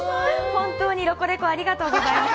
本当に「ロコレコ！」、ありがとうございます。